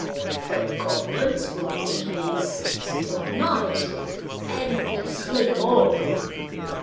The Goblins will think it is still night and will sleep on.